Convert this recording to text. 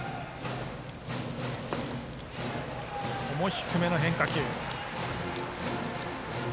低めの変化球。